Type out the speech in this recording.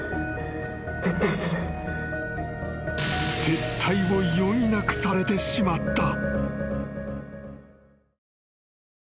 ［撤退を余儀なくされてしまった］